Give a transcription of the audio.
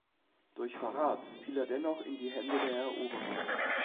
Durch Verrat fiel er dennoch in die Hände der Eroberer.